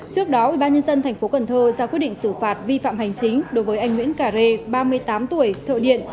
trước đó ubnd tp cần thơ ra quyết định xử phạt vi phạm hành chính đối với anh nguyễn cà rê ba mươi tám tuổi thợ điện